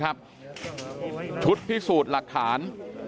กลุ่มตัวเชียงใหม่